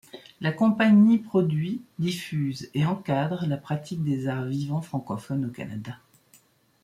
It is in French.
La compagnie produit, diffuse et encadre la pratique des arts vivants francophones au Canada.